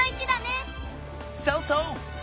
そうそう！